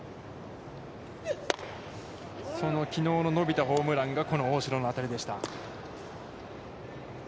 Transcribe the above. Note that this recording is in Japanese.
きのうの伸びたホームランがこの大城の当たりでした。